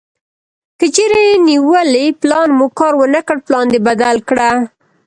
کچېرې نیولی پلان مو کار ونه کړ پلان دې بدل کړه.